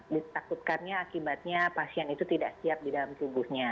ditakutkannya akibatnya pasien itu tidak siap di dalam tubuhnya